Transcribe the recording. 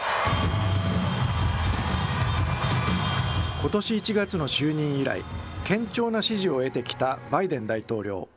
ことし１月の就任以来、堅調な支持を得てきたバイデン大統領。